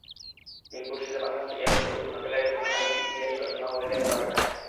মিরপুর শেরেবাংলা স্টেডিয়ামের পরিপূর্ণ গ্যালারি তখন আরেকটি ইতিহাস রচনা হতে দেখার অপেক্ষায়।